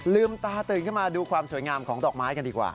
ลืมตาตื่นขึ้นมาดูความสวยงามของดอกไม้กันดีกว่า